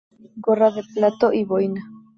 Gorra de plato y boina.